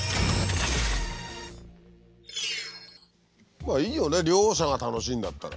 まあいいよね両者が楽しいんだったら。